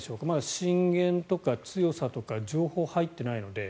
震源とか強さとか情報、入っていないので。